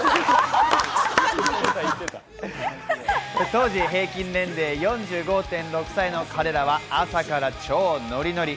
当時、平均年齢４５．６歳の彼らは朝から超ノリノリ。